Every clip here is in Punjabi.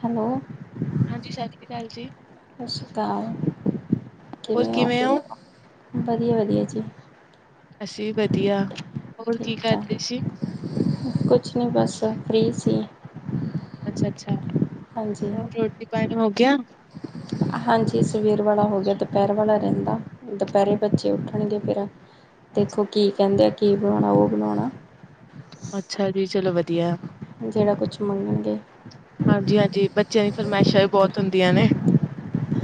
ਹੈਲੋ ਹਾਂਜੀ, ਸ਼੍ਰੀ ਅਕਾਲ ਜੀ। ਸਤਿ ਸ਼੍ਰੀ ਅਕਾਲ, ਕਿਵੇਂ ਹੋ, ਵਧੀਆ ਵਧੀਆ। [unintelligible] ਅਸੀਂ ਵੀ ਵਧੀਆ। ਹੋਰ ਠੀਕ ਕੀ ਠਾਕ ਕਰਦੇ ਸੀ। ਕੁਛ ਨਹੀਂ ਬਸ ਫ਼ਰੀ ਸੀ। ਅੱਛਾ ਅੱਛਾ। ਹਾਂਜੀ, ਹਾਂਜੀ ਸਵੇਰ ਵਾਲਾ ਹੋ ਗਿਆ ਦੁਪਹਿਰ ਵਾਲਾ ਰਹਿੰਦਾ। ਦੁਪਹਿਰੇ ਬੱਚੇ ਉੱਠਣਗੇ ਫੇਰ ਦੇਖੋ ਕੀ ਕਹਿੰਦੇ ਆ ਕੀ ਬਣਾਉਣਾ ਉਹ ਬਣਾਉਣਾ। ਅੱਛਾ ਜੀ ਚਲੋ ਵਧੀਆ। [unintelligible] ਜਿਹੜਾ ਕੁਛ ਮੰਨਣਗੇ। ਹਾਂਜੀ-ਹਾਂਜੀ, ਬੱਚਿਆਂ ਦੀ ਫਰਮਾਇਸ਼ਾਂ ਵੀ ਬਹੁਤ ਹੁੰਦੀਆਂ ਨੇ।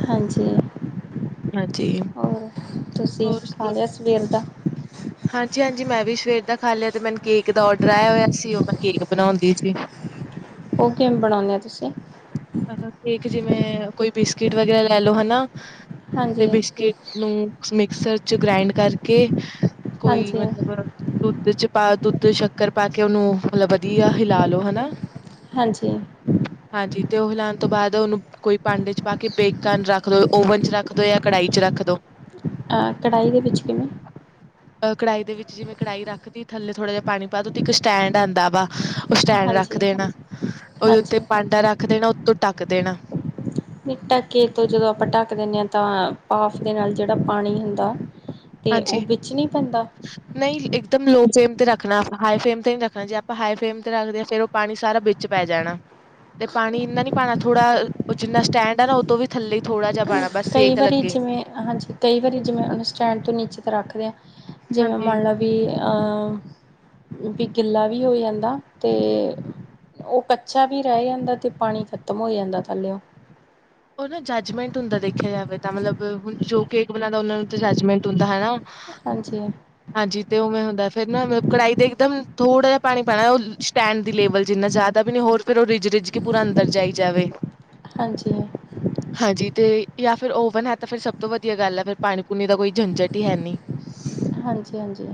ਹਾਂਜੀ, ਹਾਂਜੀ, ਹੋਰ। ਤੁਸੀਂ ਹੋਰ ਖਾ ਸੁਣਾਓ? ਲਿਆ ਸਵੇਰ ਦਾ, ਹਾਂਜੀ-ਹਾਂਜੀ, ਮੈਂ ਵੀ ਸਵੇਰ ਦਾ ਖਾ ਲਿਆ ਤੇ ਮੈਨੂੰ ਕੇਕ ਦਾ ਔਡਰ ਆਇਆ ਹੋਇਆ ਸੀ ਉਹ ਮੈਂ ਕੇਕ ਬਣਾਉਂਦੀ ਸੀ। ਉਹ ਕਿਵੇਂ ਬਣਾਉਣੇ ਆ ਤੁਸੀਂ ਕੇਕ ਜਿਵੇਂ ਕੋਈ ਬਿਸਕਿਟ ਵਗੈਰਾ ਲੈ ਲਓ ਹਨਾ। ਤੇ ਹਾਂਜੀ ਬਿਸਕਿਟ ਨੂੰ, ਮਿਕਸਰ ਚ ਗ੍ਰਾਇੰਡ ਕਰਕੇ ਕੋਈ ਹਾਂਜੀ ਮਤਲਬ ਦੁੱਧ ਚ ਪਾ ਦੁੱਧ ਸ਼ੱਕਰ ਪਾ ਕੇ ਉਹਨੂੰ ਮਤਲਬ ਵਧੀਆ ਹਿਲਾ ਲੋ ਹਨਾ ਹਾਂਜੀ। ਹਾਂਜੀ ਤੇ ਉਹ ਹਿਲਾਣ ਤੋਂ ਬਾਅਦ ਉਹਨੂੰ ਕੋਈ ਭਾਂਡੇ ਚ ਪਾ ਕੇ ਬੇਕ ਕਰਨ ਰੱਖ ਦੋ ਓਵਨ ਚ ਰੱਖ ਦੋ ਜਾਂ ਕੜਾਹੀ ਚ ਰੱਖ ਦੋ। ਕੜਾਹੀ ਦੇ ਵਿੱਚ ਕਿਵੇਂ ਅ ਕੜਾਹੀ ਦੇ ਵਿੱਚ ਜਿਵੇਂ ਕੜਾਈ ਰੱਖਦੀ ਥੱਲੇ ਥੋੜਾ ਜਿਹਾ ਪਾਣੀ ਪਾ ਤੇ ਉ ਇੱਕ ਸਟੈਂਡ ਆਉਂਦਾ ਵਾ ਉਹ ਸਟੈਂਡ ਰੱਖ ਹਾਂਜੀ ਦੇਣਾ ਉਹਦੇ ਉੱਤੇ ਹਾਂਜੀ ਭਾਂਡਾ ਰੱਖ ਦੇਣਾ। ਤ ਤੋਂ ਟੱਕ ਦੇਣਾ। ਢਕੇ ਤੋਂ ਜਦੋਂ ਆਪਾਂ ਢੱਕ ਦਿੰਦੇ ਹਾਂ ਤਾਂ ਪਾਫ ਦੇ ਨਾਲ ਜਿਹੜਾ ਪਾਣੀ ਹੁੰਦਾ, ਅਤੇ ਉਹ ਹਾਂਜੀ, ਵਿੱਚ ਨਹੀਂ ਪੈਂਦਾ ਨਹੀਂ ਇੱਕਦਮ ਲੋਕ ਫਲੇਮ ਤੇ ਰੱਖਣਾ ਆਪਾਂ ਹਾਈ ਫਲੇਮ ਤੇ ਨੀ ਰੱਖਣਾ ਜੇ ਆਪਾਂ ਹਾਈ ਫਲੇਮ ਤੇ ਰੱਖਦੇ ਹਾਂ ਫਿਰ ਉਹ ਪਾਣੀ ਸਾਰਾ ਵਿੱਚ ਪੈ ਜਾਣਾ ਤੇ ਪਾਣੀ ਇੰਨਾ ਨੀ ਪਾਣਾ ਥੋੜਾ ਉਹ ਜਿੰਨਾ ਸਟੈਂਡ ਆ ਨਾ ਉਦੋਂ ਵੀ ਥੇ ਥੋੜ੍ਹਾ ਜਿਹਾ ਪਾਣਾ ਬਸ ਕਈ ਸੇਕ ਵਾਰੀ ਲੱਗੇ ਜਿਵੇਂ ਹਾਂਜੀ ਕਈ ਵਾਰੀ ਜਿਵੇਂ ਉਹਨੂੰ ਸਟੈਂਡ ਤੋਂ ਨੀਚੇ ਰੱਖਦੇ, ਜਿਵੇਂ ਹਾਂਜੀ ਮੰਨਲਾ ਵੀ ਅ ਵੀ ਗਿੱਲਾ ਵੀ ਹੋ ਜਾਂਦਾ ਤੇ ਉਹ ਕੱਚਾ ਵੀ ਰਹਿ ਜਾਂਦਾ ਅਤੇ ਪਾਣੀ ਖਤਮ ਹੋ ਜਾਂਦਾ ਥੱਲੇ ਉਹ ਉਹ ਨਾ ਜੱਜਮੈਂਟ ਹੁੰਦਾ ਦੇਖਿਆ ਜਾਵੇ ਤਾਂ ਮਤਲਬ ਹੁਣ ਜੋ ਕੇਕ ਬਣਾਉਂਦਾ ਉਹਨਾ ਨੂੰ ਤਾਂ ਜੱਜਮੈਂਟ ਹੁੰਦਾ ਹਨਾ। ਹਾਂਜੀ ਹਾਂਜੀ ਤੇ ਉਵੇਂ ਹੁੰਦਾ ਫੇਰ ਨਾ ਮਤਲਬ ਕੜਾਹੀ ਤੇ ਇੱਕਦਮ ਥੋੜ੍ਹਾ ਜਿਹਾ ਪਾਣੀ ਪਾਉਣਾ ਉਹ ਸਟੈਂਡ ਦੀ ਲੇਵਲ ਚ ਇੰਨਾ ਜ਼ਿਆਦਾ ਵੀ ਨਹੀਂ ਹੋਰ ਫਿਰ ਉਹ ਰਿੱਜ ਰਿੱਜ ਕੇ ਪੂਰਾ ਅੰਦਰ ਜਾਈ ਜਾਵੇ। ਹ [inaudible] ਹਾਂਜੀ। ਹਾਂਜੀ ਤੇ ਜਾਂ ਫਿਰ ਓਵਨ ਹੈ ਤਾਂ ਫਿਰ ਸਭ ਤੋਂ ਵਧੀਆ ਗੱਲ ਹੈ ਫਿਰ ਪਾਣੀ ਪੂਣੀ ਦਾ ਕੋਈ ਝੰਜਟ ਹੀ ਹੈ ਨਹੀਂ। ਹਾਂਜੀ ਹਾਂਜੀ।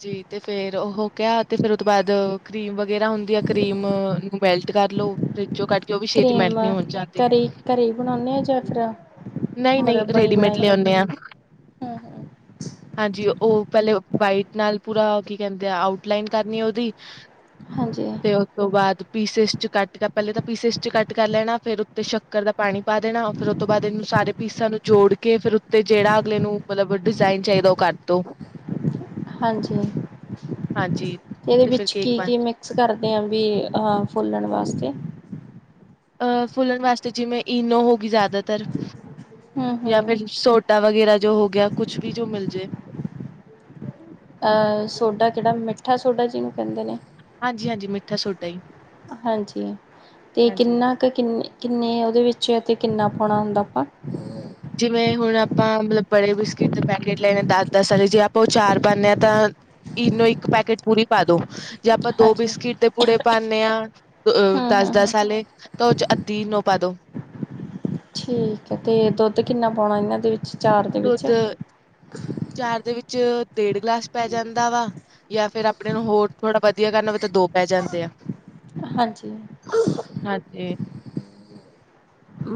ਜੀ ਤੇ ਫੇਰ ਉਹ ਕਿਹਾ ਤੇ ਫੇਰ ਉਹ ਤੋਂ ਬਾਅਦ ਕਰੀਮ ਵਗੈਰਾ ਹੁੰਦੀ ਆ ਕਰੀਮ ਨੂੰ ਮੈਲਟ ਕਰ ਲੋ ਫ ਜੋ ਕੱਢ ਕੇ ਉਹ ਛੇਤੀ ਮੈਲਟ ਨਹੀਂ ਹੁੰਦੀ ਘਰੇ ਘਰੇ ਬਣਾਉਣੇ ਹਾਂ ਜਾਂ ਫਿਰ, ਨਹੀਂ ਨਹੀਂ ਮਤਲਬ ਬਣੀ ਰੈਡੀਮੇਡ ਬਣਾਈ, ਲਿਆਉਂਦੇ ਆ ਹੂੰ ਹੂੰ। ਹਾਂਜੀ ਉਹ ਪਹਿਲੇ ਵਾਈਟ ਨਾਲ ਪੂਰਾ ਕੀ ਕਹਿੰਦੇ ਆ ਆਊਟ ਲਾਈਨ ਕਰਨੀ ਉਹਦੀ, ਹਾਂਜੀ ਤੇ ਉਸ ਤੋਂ ਬਾਅਦ, ਪੀਸਿਸ ਚ ਕੱਟ ਕਾ ਪੈਲੇ ਤਾਂ ਪੀਸਿਸ ਚ ਕੱਟ ਕਰ ਲੈਣਾ। ਫੇਰ ਉੱਤੇ ਸ਼ੱਕਰ ਦਾ ਪਾਣੀ ਪਾ ਦੇਣਾ ਫੇਰ ਔ ਤੋਂ ਬਾਦ ਏਨੂੰ ਸਾਰੇ ਪੀਸਾਂ ਨੂੰ ਜੋੜ ਕੇ ਫਿਰ ਉੱਤੇ ਜੇੜਾ ਅਗਲੇ ਨੂੰ ਮਤਲਬ ਡਿਜ਼ਾਇਨ ਚਾਹੀਦਾ ਔ ਕਰਦੋ। ਹਾਂਜੀ, ਇਦੇ ਤੇ ਫਿਰ ਵਿੱਚ ਕੇਕ ਬਣ ਕੀ-ਕੀ ਮਿਕਸ ਕਰਦੇ ਆਂ ਵੀ ਆਂ ਫੁੱਲਣ ਵਾਸਤੇ। ਅਹ ਫੁੱਲਣ ਵਾਸਤੇ ਜਿਵੇਂ ਇਨੋ ਹੋਗੀ ਜਿਆਦਾਤਾਰ। ਹੂੰ-ਹੂੰ ਯਾ ਫਿਰ ਸੋ਼ਟ ਸੋਡਾ ਵਗੈਰਾ ਜੋ ਹੋ ਗਿਆ ਕੁੱਛ ਵੀ ਜੋ ਮਿਲ ਜੇ। ਅਹ ਸੋਡਾ ਕੇੜਾ ਮਿੱਠਾ ਸੋਡਾ ਜਿਨੂੰ ਕਹਿਦੇ ਨੇ। ਹਾਂਜੀ ਹਾਂਜੀ ਮਿੱਠਾ ਸੋਡਾ ਹੀ ਹਾਂਜੀ ਤੇ ਹਾਂਜੀ ਕਿੰਨਾ ਕ ਕਿੰਨੇ ਕਿੰਨੇ ਓਦੇ ਵਿੱ ਬੱਚਿਆ ਤੇ ਕਿੰਨਾ ਪਾਣਾ ਹੁੰਦਾ ਆਪਾ? ਜਿਵੇਂ ਹੁਣ ਅਪਾਂ ਮਤਲਬ ਬੜੇ ਬਿਸਕਿਟ ਦੇ ਪੈਕੇਟ ਲਏ ਨੇ ਦਸ ਦਸ ਆਲੇ, ਜੇ ਆਪਾਂ ਔ ਚਾਰ ਪਾਣੇ ਆਂ ਤਾਂ ਇਨੋ ਇੱਕ ਪੈਕੇਟ ਪੂਰੀ ਪਾ ਦੋ। ਜੇ ਆਪਾਂ ਦੋ ਹਾਂਜੀ ਬਿਸਕਿਟ ਦੇ ਪੂੜੇ ਪਾਣੇ ਆਂ ਅ ਦਸ ਹੂੰ-ਹੂੰ-ਹੂੰ ਦਸ ਆਲੇ ਤਾ ਓਦੇ ਚ ਅੱਧੀ ਇਨੋ ਪਾ ਦੋ। ਠੀਕ ਹੈ ਤੇ ਦੁੱਧ ਕਿੰਨਾ ਪੋਣਾ ਇਨਾਂ ਦੇ ਵਿੱਚ? ਚਾਰ ਦੇ ਵਿੱਚ ਦੁੱਧ ਚਾਰ ਦੇ ਵਿੱ ਚ ਡੇਢ ਗਲਾਸ ਪੈ ਜਾਂਦਾ ਵਾ ਯਾ ਫੇਰ ਆਪਣੇ ਨੂੰ ਹੋਰ ਥੋੜਾ ਵਧੀਆ ਕਰਨਾ ਵਾ ਤਾਂ ਦੋ ਪੈ ਜਾਂਦੇ ਆ। ਹਾਂਜੀ, ਹਾਂਜੀ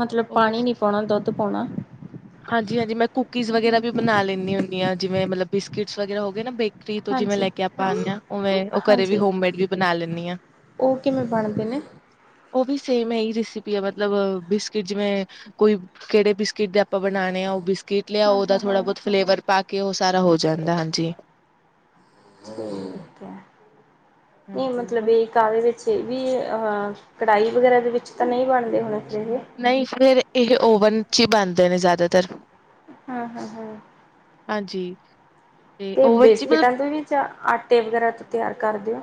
ਮਤਲਬ ਹੋਰ ਪਾਣੀ ਨੀ ਪੋਣਾ ਦੁੱਧ ਪੋਣਾ। ਹਾਂਜੀ-ਹਾਂਜੀ ਮੈਂ ਕੁਕੀਜ਼ ਵਗੈਰਾ ਵੀ ਬਣਾ ਲੈਂਣੀ ਹੁੰ ਣੀ ਆ, ਜਿਵੇਂ ਮਤਲਬ ਬਿਸਕਟਸ ਵਗੈਰਾ ਹੋ ਗੇ ਨਾ ਬੇ ਕਰੀ ਤੋਂ ਜਿਵੇਂ ਲੈ ਕੇ ਆਪਾਂ ਆਣੇ ਆਂ ਉਵੇਂ ਓਹ ਘਰੇ ਵੀ ਹਾਂਜੀ-ਹਾਂਜੀ ਹੋਮਮੇਡ ਵੀ ਬਣਾ ਲੇਣੀ ਆ। ਉਹ ਕਿਵੇਂ ਬਣਦੇ ਨੇ ਓਹ ਵੀ ਸੇਮ ਐਹੀ ਰੈਸਿਪੀ ਆ ਮਤਲਬ ਬਿਸਕਿਟ ਜਿਵੇਂ ਕੋਈ ਕੇੜੇ ਬਿਸਕਿਟ ਦੇ ਆਪਾਂ ਬਣਾਣੇ ਆ ਓਹ ਬਿਸ ਕੀਟ ਲੇਆਓ, ਓਦਾ ਹਾਂ-ਹਾਂ-ਹਾਂ ਥੋੜਾ ਬੌਤ ਫਲੇਵਰ ਪਾ ਕ ਕਿ ਔ ਸਾਰਾ ਹੋ ਜਾਂਦਾ, ਹਾਂਜੀ। ਦੇਖ ਦੇ ਹੈ। ਨਹੀਂ ਹਾਂਜੀ ਮਤਲਬ ਹੋਰ ਏ ਕਾਦੇ ਵਿੱਚ ਤੇ ਵੀ ਅਹ ਕੜਾਹੀ ਵਗੈਰਾ ਦੇ ਵਿੱਚ ਤਾਂ ਨੀ ਬਣਦੇ ਹੋਣੇ। ਫਿਰ ਇਹ ਨਹੀਂ ਫੇਰ ਏਹ ਔਵਨ ਚ ਈ ਬੰਣ ਦੇ ਨੇ ਜਿਆਦਾਤਰ। ਹਾਂ-ਹਾਂ-ਹਾਂ। ਹਾਂਜੀ। ਤੇ ਓਵਨ ਚ ਮਤਲਬ ਬੇਸਕਿਟਾਂ ਤੋਂ ਵੀ ਚਾ ਆਟੇ ਵਗੈਰਾ ਚ ਤਿਆਰ ਕਰਦੇ ਆ?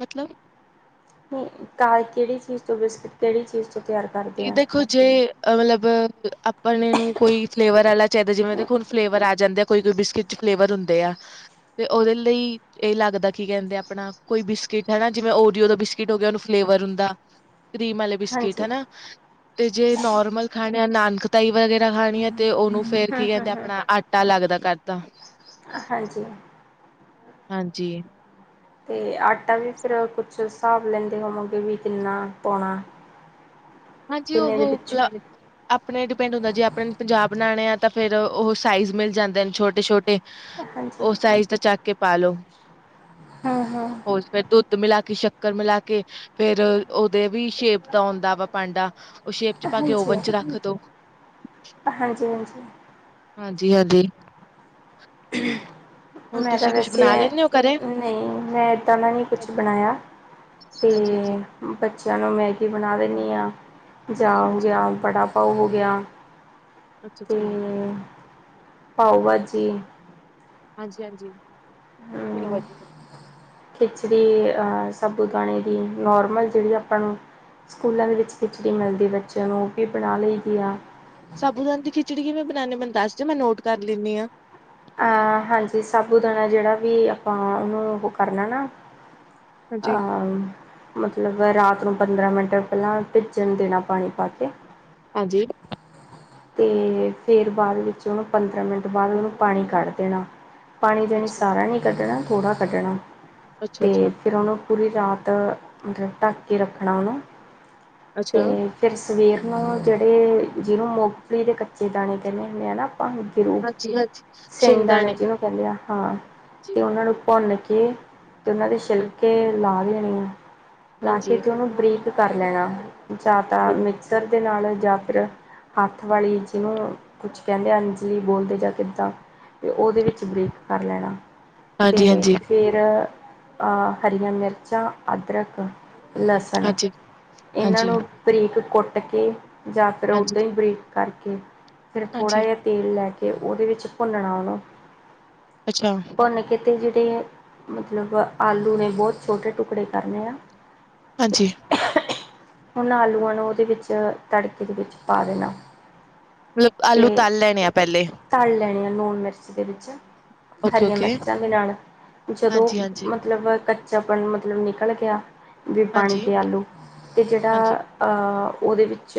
ਮਤਲਬ? ਕਾਹ ਕੇੜੀ ਚੀਜ਼ ਤੋਂ ਬਿਸਕਿਟ ਕੇੜੀ ਚੀਜ਼ ਤ ਇਹ ਦੇਖੋ ਜੇ ਮਤਲਬ ਅਪ ਪਰਣੇ ਨੂੰ ਕੋਈ ਫਲੇਵਰ ਆਲਾ ਚਾਦੇ ਜਿਵੇ ਦੇਖੋ ਹੁਣ, ਫਲੇਵਰ ਆ ਜਾਂਦੇ ਆ, ਕੋਈ -ਕੋਈ ਬਿਸਕਿਟ 'ਚ ਫਲੇਵਰ ਹੁੰਦੇ ਆ, ਤੇ ਉਹਦੇ ਲਈ ਇਹ ਲੱਗਦਾ ਕੀ ਕਹਿੰਦੇ, ਆਪਣਾ ਕੋਈ ਬਿਸਕਿਟ ਹਨਾ ਜਿਵੇਂ ਓਰੀਓ ਦਾ ਬਿਸਕਿਟ ਹੋ ਗਿਆ, ਓਨੂੰ ਫਲੇਵਰ ਹੁੰਦਾ। ਕ੍ਰੀਮ ਵਾਲੇ, ਬਿਸਕਿਟ ਹਾਂਜੀ ਹਨਾ। ਤੇ, ਜੇ ਨੋਰਮਲ ਖਾਣਿਆ ਨਾਲ ਖਟਾਈ ਵਗੈ ਖਾਣੀਆਂ ਤੇ, ਉਹਨੂੰ ਫੇਰ ਹੂੰ ਕੀ ਹੂੰ ਕਹਿੰਦੇ, ਹੂੰ ਆਪਣਾ ਆਟਾ ਲੱਗਦਾ ਕਰਦਾ। ਹਾਂਜੀ ਹਾਂਜੀ। ਤੇ ਅੱਠ ਤਾਂ, ਵੀ ਫਿਰ ਕੁੱਛ ਹਿਸਾਬ ਲੈਂਦੇ ਹੋਵੋਗੇ, ਕਿ ਕਿੰਨਾ ਪਾਉਣਾ ਹਾਂਜੀ, ਕਿੰਨੇ ਦੇ ਉਹ ਪਿੱਛੋਂ ਆਪਣੇ ਡਿਪੈਂਡ ਹੁੰਦਾ ਜੇ, ਆਪਣੇ ਪੰਜਾਹ ਬਣਾਣੇ ਆ ਤਾਂ, ਫੇਰ ਉਹ ਸਾਈਜ਼ ਮਿਲ ਜਾਂਦੇ ਨੇ, ਛੋਟੇ-ਛੋਟੇ। ਹਾਂਜੀ ਉਸ ਸਾਈਜ ਦਾ ਚੱਕਕੇ ਪਾ ਲੋ, ਹਾਂ ਹਾਂ ਹੋਰ ਫੇਰ ਦੁੱਧ ਮਿਲਾ ਕੇ ਕਿ ਸ਼ੱਕਰ ਮਿਲਾ ਕੇ ਫੇਰ ਉਹਦੇ ਵੀ, ਸ਼ੇਪ ਤਾਂ ਔਂਦਾ ਵਾ। ਭਾਂਡਾ ਉਹ ਸ਼ੇਪ'ਚ ਪਾ ਕੇ ਹਾਂਜੀ ਓਵਨ ਚ ਰੱਖ ਦੋ। ਹਾਂਜੀ ਹਾਂਜੀ ਹਾਂਜੀ, ਹਾਂਜੀ। [unintelligible] ਹੋਰ ਮੈਂ ਤਾਂ ਤੁਸੀਂ ਕੁਛ ਵੈਸੇ, ਬਣਾ ਲੈਂਦੇ ਹੋ ਘਰੇ ਨਹੀਂ ਮੈਂ ਇਦਾਂ ਦਾ ਨੀ ਕੁਛ ਹਾਂਜੀ ਬਣਾਇਆ। ਤੇ, ਹਾਂਜੀ ਬੱਚਿਆਂ ਨੂੰ ਮੈਗੀ ਬਣਾ ਦਿੰਦੀ ਹਾਂਜੀ ਹਾਂ। ਜਾਾ ਹੋ ਅੱਛਾ ਗਿਆ, ਵੜਾ ਪਊ ਹੋ ਗਿਆ। ਅੱਛਾ- ਅਤੇ ਅੱਛਾ। ਪਾਓ ਭਾਜੀ ਹਾਂਜੀ-ਹਾਂਜੀ। ਕਿੰਨੀ ਵਧੀ ਖਿਚੜੀ ਸਾਬੂ ਦਾਨੇ ਦੀ ਨੋਰਮਲ ਜਿਹੜੀ ਆਪਾਂ ਨੂੰ ਸਕੂਲਾਂ ਦੇ ਵਿੱਚ ਖਿਚੜੀ ਮਿਲਦੀ, ਬੱਚਿਆਂ ਨੂੰ ਉਹ ਵੀ ਬਣਾ ਲਈ ਦੀ ਆ। ਨਾਲੇ ਮੈਨੂੰ ਦੱਸ ਦਿਉ, ਮੈਂ ਨੋਟ ਕਰ ਲੈਂਦੀ ਆ। ਅਹ ਹਾਂਜੀ, ਸਾਬੂ ਦਾਣਾ ਜਿਹੜਾ ਵੀ ਆਪਾਂ ਉਹਨੂੰ ਉਹ ਕਰਨਾ ਨਾ ਹਾਂਜੀ, ਅਹ ਮਤਲਬ ਰਾਤ ਨੂੰ ਪੰਦਰਾਂ ਮਿੰਟ ਪਹਿਲਾਂ ਭਿੱਜਣ ਦੇਣਾ ਪਾਣੀ ਪਾ ਕੇ ਹਾਂਜੀ। ਤੇ ਫੇਰ ਬਾਅਦ ਵਿੱਚ, ਉਹਨੂੰ ਪੰਦਰਾਂ ਮਿੰਟ ਬਾਅਦ ਉਹਨੂੰ ਪਾਣੀ ਕੱਢ ਦੇਣਾ। ਪਾਣੀ ਦੇਣੀ ਅੱਛਾ, ਸਾਰਾ ਨੀ ਕੱਢਣਾ। ਥੋੜਾ ਕੱਢਣਾ। ਤੇ ਅੱਛਾ-ਅੱਛਾ, ਫਿਰ ਉਹਨੂੰ ਪੂਰੀ ਰਾਤ ਮਤਲਬ ਢੱਕ ਕੇ ਰੱਖਣਾ ਉਹਨੂੰ ਅੱਛਾ। ਤੇ ਫਿਰ ਸਵੇਰ ਨੂੰ ਜਿਹੜੇ ਜਿਨੂੰ ਮੋ ਮੇਰੇ ਕੱਚੇ ਦਾਣੇ ਕਹਿੰਦੇ ਹੁੰਦੇ ਆ ਨਾ [inaudible] ਹਾਂਜੀ-ਹਾਂਜੀ, ਸ਼ਿੰਗਦਾਣੇ। ਹਾਂ ਜੀ, ਤੇ ਉਹਨਾਂ ਨੂੰ ਭੁੰਨ ਕੇ ਤੇ ਉਹਨਾਂ ਦੇ ਹਾਂਜੀ, ਛਿਲਕੇ ਲਾ ਲਏ ਹਮ ਜਾ ਕੇ ਹਾਂਜੀ। ਤੇ ਉਹਨੂੰ ਬਰੀਕ ਕਰ ਲੈਣਾ ਜ਼ਿਆਦਾ ਮਿਕਸਰ ਦੇ ਨਾਲ ਜਾਂ ਫਿਰ ਹ ਵਾਲੀ ਜਿਹਨੂੰ ਕੁਛ ਕਹਿੰਦੇ ਅੰਜਲੀ ਬੋਲਦੇ ਜਾਂ ਕਿੱਦਾਂ ਅਤੇ ਉਹਦੇ ਵਿੱਚ ਬ੍ਰੇਕ ਕਰ ਲੈਣਾ ਤੇ ਹਾਂਜੀ-ਹਾਂਜੀ, ਫਿਰ ਅ ਹਰੀਆਂ ਮਿਰਚਾਂ, ਅਦਰਕ ਲਸਣ, ਹਾਂਜੀ, ਇਹਨਾਂ ਹਾਂਜੀ, ਹਾਂਜੀ, ਨੂੰ ਬਰੀਕ ਕੁੱਟ ਕੇ ਜ਼ਿਆਦਾਤਰ ਹਾਂਜੀ, ਉੱਦਾਂ ਹੀ ਬਰੀ ਕਰਕੇ ਫਿਰ ਥੋੜਾ ਹਾਂਜੀ ਹਾਂਜੀ ਜਿਹਾ ਤੇਲ ਲੈ ਕੇ ਅਤੇ ਉਹਦੇ ਵਿੱਚ ਭੁੰਨਣਾ ਵਾ। ਅੱਛਾ ਅਤੇ ਜਿਹੜੇ ਮਤਲਬ ਆਲੂ ਨੇ, ਬਹੁਤ ਛੋਟੇ ਟੁਕੜੇ ਕਰਨੇ ਆ ਹਾਂਜੀ ਹੁਣ ਆਲੂਆਂ ਨੂੰ ਉਹਦੇ ਵਿੱਚ, ਤੜਕੇ ਦੇ ਵਿੱਚ ਪਾ ਦੇਣਾ। ਮਤਲਬ ਅਤੇ ਆਲੂ ਤਲ ਲੈਣੇ ਆ ਪਹਿਲੇ। ਤਲ ਲੈਣੇ ਆ ਲੂਣ ਮਿਰਚ ਦੇ ਵਿੱਚ ਹਰੀਆਂ ਓਕੇ-ਓਕੇ, ਮਿਰਚਾਂ ਦੇ ਨਾਲ ਜਦੋਂ ਹਾਂਜੀ-ਹਾਂਜੀ, ਮਤਲਬ ਧ [unintelligible] ਮਤਲਬ ਨਿਕਲ ਗਿਆ। ਵੀ ਪਾਣੀ ਹਾਂਜੀ, ਪਿਆਲੋਂ ਅਤੇ ਹਾਂਜੀ। ਜਿਹੜਾ ਉਹਦੇ ਵਿੱਚ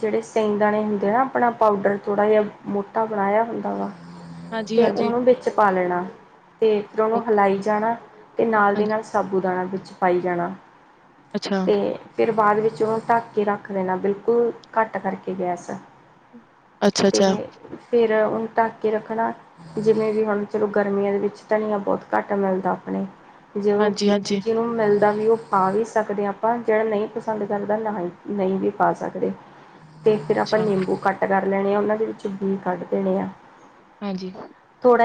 ਜਿਹੜੇ ਦਾਣੇ ਹੁੰਦੇ ਨਾ ਆਪਣਾ ਪਾਊਡਰ ਥੋੜਾ, ਤੇ ਹਾਂਜੀ-ਹਾਂਜੀ, ਉਹਨੂੰ ਵਿੱਚ ਪਾ ਲੈਣਾ। ਅਤੇ ਫਿਰ ਉਹਨੂੰ ਓਕੇ, ਹਿਲਾਈ ਜਾਣਾ ਅਤੇ ਨਾਲ ਦੀ ਹਾਂਜੀ, ਨਾਲ ਸਾਬੂ ਦਾਣਾ ਵੀ ਚ ਪਾਈ ਜਾਣਾ। ਅੱਛਾ, ਤੇ ਫਿਰ ਬਾਅਦ ਵਿੱਚ ਉਹ ਢੱਕ ਕੇ ਰੱਖ ਦੇਣਾ, ਬਿਲਕੁਲ ਘੱਟ ਕਰਕੇ। [unintelligible] ਤੇ ਅੱਛਾ-ਅੱਛਾ, ਫੇਰ ਫਿਰ ਉਹਨੂੰ ਢੱਕ ਕੇ ਰੱਖਣਾ, ਜਿਵੇਂ ਵੀ ਹੁਣ ਚਲੋ ਗਰਮੀਆਂ ਦੇ ਵਿੱਚ ਧਨੀਆ ਬਹੁਤ ਘੱਟ ਮਿਲਦਾ ਆਪਣੇ ਜੋ ਹਾਂਜੀ-ਹਾਂਜੀ, ਜਿਹਨੂੰ ਮਿਲਦਾ ਵੀ ਉਹ ਪਾ ਵੀ ਸਕਦੇ ਹਾਂ ਆਪਾਂ, ਜਿਹੜਾ ਨਹੀਂ ਪਸੰਦ ਕਰਦਾ ਨਾ ਨਹੀਂ ਵੀ ਪਾ ਸਕਦੇ। ਤੇ ਫੇਰ ਆਪਾਂ ਅੱਛਾ, ਨਿੰਬੂ ਕੱਟ ਕਰ ਲੈਣੇ ਆ, ਉਹਨਾਂ ਦੇ ਵਿੱਚੋ ਬੀ ਕੱਢ ਦੇਣੇ ਆ। ਹਾਂਜੀ।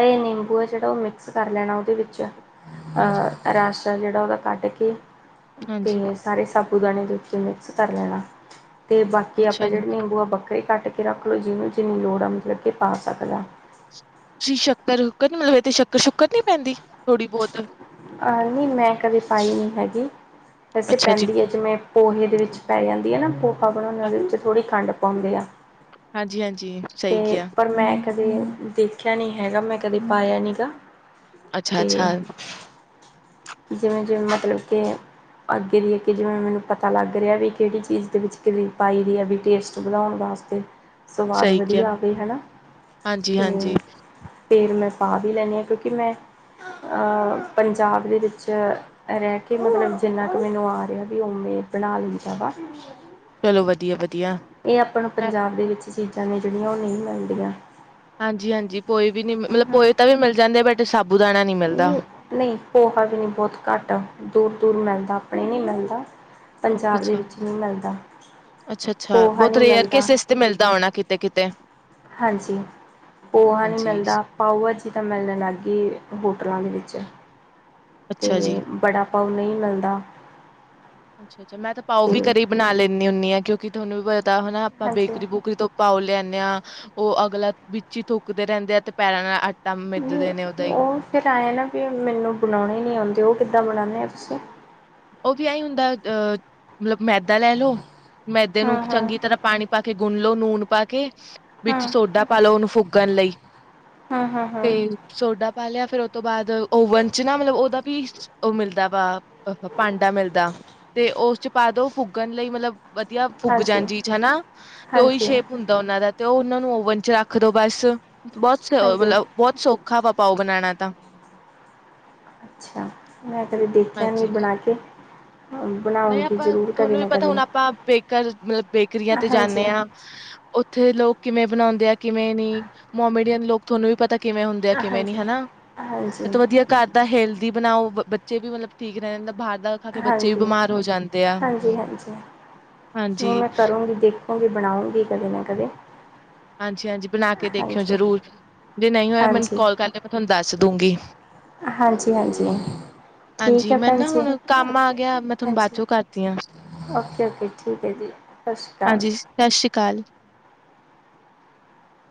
ਇਹ ਨਿੰਬੂ ਹੈ ਜਿਹੜਾ, ਉਹ ਮਿਕਸ ਕਰ ਲੈਣਾ ਉਹਦੇ ਵਿੱਚ। ਹਾਂਜੀ, ਅਹ ਰਸ ਰਸਾ ਜਿਹੜਾ ਉਹਦਾ ਕੱਡ ਕੇ ਹਾਂਜੀ, ਤੇ ਸਾਰੇ ਸਭ ਉਹ ਦਾਣੇ ਦੇ ਉੱਤੇ ਮਿਕਸ ਕਰ ਲੈਣਾ। ਤੇ ਬਾਕੀ ਆਪ ਅੱਛਾ ਜੀ, ਜਿਹੜੇ ਨਿੰਬੂ ਆਪਾ ਕੱਟ ਕੇ ਰੱਖ ਲਉ, ਜਿਹਨੂੰ ਜਿੰਨੀ ਲੋੜ ਆ, ਮਤਲਬ ਕਿ ਪਾ ਸਕਦਾ। ਤੁਸੀਂ ਸ਼ੱਕਰ ਸ਼ੁੱਕਰ ਨੀ, ਮਤਲਬ ਇਹ ਤੇ ਸ਼ੱਕਰ ਸ਼ੁੱਕਰ ਨੀ ਪੈਂਦੀ ਥੋੜ੍ਹੀ ਬਹੁਤ। ਆਹ ਨਹੀਂ ਮੈਂ ਕਦੇ ਪਾਈ ਨਹੀਂ ਹੈਗੀ, ਵੈਸੇ ਅੱਛਾ ਜੀ, ਪੈਂਦੀ ਹੈ ਜੇਵੇ ਪੋਹੇ ਦੇ ਵਿੱਚ ਪੈ ਜਾਂਦੀ। [unintelligible] ਆਪਾ ਬਣਾਦੇ ਉਹਦੇ ਵਿੱਚ ਥੋੜੀ ਖੰਡ ਪਾਉਦੇ ਆ। ਹਾਂਜੀ, ਹਾਂਜੀ, ਸਹੀ ਤੇ ਕਿਹਾ। ਪਰ ਮੈਂ ਕਦੇ ਦੇਖਿਆ ਨੀ ਹੈਗਾ, ਮੈਂ ਕਦੇ ਪਾਇਆ ਨੀ ਗਾ। ਅੱਛਾ, ਤੇ ਅੱਛਾ ਜਿਵੇਂ ਜਿਵੇਂ ਮਤਲਬ ਕਿ ਅੱਗੇ ਦੀ ਅੱਗੇ, ਜਿਵੇਂ ਮੈਨੂੰ ਪਤਾ ਲੱਗ ਰਿਹਾ, ਵੀ ਕਿਹੜੀ ਚੀਜ਼ ਦੇ ਵਿੱਚ ਕਿਵੇਂ ਪਾਈ ਦੀ ਹੈ ਵੀ ਟੇਸਟ ਬਣਉਣ ਵਾਸਤੇ। ਸਵਾਦ ਸਹੀ ਕਿਹਾ। ਵਧੀਆ ਆਵੇ ਹਨਾ ਹਾਂਜੀ, ਹਾਂਜੀ ਤੇ ਫਿਰ ਮੈਂ ਪਾ ਵੀ ਲੈਂਦੀ ਹਾਂ ਕਿਉਂਕਿ ਮੈਂ ਪੰਜਾਬ ਦੇ ਵਿੱਚ। ' ਚ ਰਹਿ ਕੇ ਮਤਲਬ ਜਿੰਨਾ ਕੁ ਮੈਨੂੰ ਆ ਰਿਹਾ ਵੀ ਉਵੇਂ ਬਣਾ ਲਈ ਦਾਵਾ। ਚਲੋ ਵਧੀਆ ਵਧੀਆ ਨੂੰ ਮੈਂ। ਪੰਜਾਬ ਦੇ ਵਿੱਚ ਚੀਜ਼ਾਂ ਨੇ ਜਿਹੜੀਆਂ ਉਹ ਨਹੀਂ ਮਿਲਦੀਆਂ। ਹਾਂਜੀ ਹਾਂਜੀ ਕੋਈ ਵੀ ਨੀ ਮਤਲਬ ਕੋਏ ਤਾਂ ਵੀ ਮਿਲ ਜਾਂਦੇ ਬਟ ਸਾਬੂ ਦਾਣੇ। ਨਹੀਂ ਨਹੀਂ ਪੋਹਾ ਵੀ ਨੀ ਬਹੁਤ ਘੱਟ ਦੂਰ ਦੂਰ ਮਿਲਦੀ। ਜਿਦਾ ਆਪਣੇ ਨਹੀਂ ਮਿਲਦਾ। ਅੱਛਾ, ਪੰਜਾਬ ਦੇ ਅੱਛਾ, ਵਿੱਚ ਨਹੀਂ ਮਿਲਦਾ ਅੱਛਾ ਅੱਛਾ, ਪੋਹਾ ਬਹੁਤ ਨਹੀਂ ਰੇਅਰ ਮਿਲਦਾ ਕੇਸਿਸ ਤੇ ਮਿਲਦਾ ਹੋਣਾ ਕਿਤੇ, ਕਿਤੇ ਹਾਂਜੀ ਪੋਹਾ ਨਹੀਂ ਹਾਂਜੀ। ਮਿਲਦਾ ਪਾਊਆ ਜੀ ਤਾਂ ਮਿਲਣ ਲੱਗ ਗਈ। ਹੋਟਲਾਂ ਦੇ ਵਿੱਚ। ਤੇ ਅੱਛਾ ਜੀ, ਬੜਾ ਪਾਊ ਨਹੀਂ ਮਿਲਦਾ। ਅੱਛਾ ਅੱਛਾ ਮੈਂ ਤਾਂ ਪਾਓ ਵੀ ਅਤੇ ਘਰੇ ਹੀ ਬਣਾ ਲੈਂਣੀ ਹੁੰਨੀ ਹਾਂ ਕਿਉਂਕਿ। ਜੀ ਥੋਨੂੰ ਵੀ ਪਤਾ। ਪਤਾ ਹਨਾ ਆਪਾਂ ਹਾਂਜੀ ਬੇਕਰੀ ਬੂਕਰੀ ਤੋਂ ਪਾਓ ਲਿਆਦੇ ਹਾਂ। ਉਹ ਅਗਲਾ ਵਿੱਚ ਹੀ ਥੁੱਕਦੇ ਰਹਿੰਦੇ ਆ ਤੇ ਪੈਰਾਂ ਨਾਲ। ਮਿੱਧਦੇ ਨੇ ਉਹਦਾ ਉਹ ਫੇਰ ਆਏ ਨਾ ਵੀ ਮੈਨੂੰ ਬਣਾਉਣੇ ਨੀ ਆਉਂਦੇ ਉਹ ਕਿ। ਕਿਦਾਂ ਬਣਾਉਣੇ ਆ ਤੁਸੀਂ। ਉਹ ਵੀ ਐਹੀ ਹੁੰਦਾ ਅਹ ਮਤਲਬ। ਮੈਦਾ ਲੈ ਲਓ ਮੈਦੇ ਹੂੰ ਨੂੰ ਹੂੰ ਚੰਗੀ ਤਰ੍ਹਾਂ ਪਾਣੀ ਪਾ ਕੇ। ਗੁਨਲੋ ਨੂਨ ਪਾ ਕੇ। ਵਿੱਚ ਹੂੰ ਸੋਡਾ ਪਾ ਲੋ ਉਹਨੂੰ ਫੂਗਣ ਲਈ ਹੂੰ ਹੂੰ ਤੇ ਹੂੰ ਸੋਡਾ। ਪਾ ਲਿਆ ਫਿਰ ਤੋਂ ਬਾਅਦ। ਓਵਨ ਚ ਨਾ ਮਤਲਬ ਉਹਦਾ। ਵੀਸਚ ਉਹ ਮਿਲਦਾ ਵਾ। ਅਹ ਭਾਂਡਾ ਮਿਲਦਾ ਤੇ ਉਸ ਚ। ਪਾਦੋ ਫੁੱਕਣ ਲਈ ਮਤਲਬ। ਵਧੀਆ ਫੁਗ ਹਾਂਜੀ ਜਾਣ ਜੀਜ਼ ਹਨਾ ਤੇ ਉਹੀ ਹਾਂਜੀ ਸ਼ੇਪ ਹੁੰਦਾ ਉਹਨਾਂ ਦਾ। ਤੇ ਉਹ ਉਹਨਾਂ ਨੂੰ ਓਵਨ ਚ ਰੱਖ ਦੋ ਬਸ। ਬਹੁਤ ਸ ਹਾਂਜੀ ਮਤਲਬ ਬਹੁਤ ਸੌਖਾ ਪਾ। ਪਾਓ ਬਣਾਉਣਾ ਤਾਂ। ਅੱਛਾ ਮੈਂ ਕਦੇ ਦੇਖਿਆ ਨੀ। ਤੇ ਹਾਂਜੀ ਬਣਾ ਕੇ। ਨਹੀਂ ਬਣਾਉਂਗੀ ਆਪਾਂ ਜ਼ਰੂਰ ਕਦੇ ਤੁਹਾਨੂੰ ਵੀ, ਨਾ ਪਤਾ ਕਦੇ ਹੁਣ ਆਪਾਂ ਬੇਕਰ ਮਤਲਬ। ਬੇਕਰੀਆਂ ਤੇ, ਹਾਂਜੀ ਹਾਂਜੀ ਜਾਂਦੇ ਹਾਂ ਉੱਥੇ ਲੋਕ ਕਿਵੇਂ ਬਣਾਉਂਦੇ ਆ। ਕਿਵੇਂ ਨੀ ਮੋਮੀੇਡੀਅਨ ਲੋਕ ਥੋਨੂੰ ਵੀ ਪਤਾ ਕਿਵੇਂ ਹੁੰਦੇ ਆ, ਕਿਵੇਂ ਨੀ ਹਾਂਜੀ ਹਨਾ, ਇਹ ਤਾਂ ਵਧੀਆ ਘਰ ਦਾ, ਹੇਲਦੀ ਬਣਾਓ ਬੱਚੇ ਵੀ ਮਤਲਬ ਠੀਕ ਰਹਿ ਜਾਂਦਾ ਬਾਹਰ ਦਾ ਖਾਕੇ, ਬੱਚੇ ਵੀ ਹਾਂਜੀ ਬਿਮਾਰ ਹਾਂਜੀ, ਹਾਂਜੀ ਨਹੀਂ ਹਾਂਜੀ, ਮੈਂ ਕਰੂੰਗੀ ਦੇਖ ਓ ਵੀ, ਬਣਾਉਂਗੀ ਕਦੇ ਨਾ ਕਦੇ ਹਾਂਜੀ, ਹਾਂਜੀ ਬਣਾ ਕੇ ਦੇਖਿਓ ਹਾਂਜੀ ਜ਼ਰੂਰ, ਜੇ ਨਹੀਂ ਹੋਇਆ ਮੈਨੂੰ ਹਾਂਜੀ ਕੌਲ ਕਰ ਲਿਆ ਮੈਂ ਤੁਹਾਨੂੰ ਦੱਸ ਦੂੰਗੀ। ਹਾਂਜੀ, ਹਾਂਜੀ ਠੀਕ ਹਾਂਜੀ ਹੈ ਮੈਂ ਭੈਣ ਨਾ ਜੀ। ਹੁਣ ਕੰਮ ਆ ਓਕੇ ਗਿਆ ਮੈਂ ਤੁਹਾਨੂੰ ਬਾਅਦ ਹਾਂਜੀ ਚੋਂ ਕਰਦੀ ਹਾਂ ਓਕੇ- ਓਕੇ ਠੀਕ ਹੈ ਜੀ। ਸਤਿ ਸ਼੍ਰੀ ਅਕਾਲ। ਕੱਲ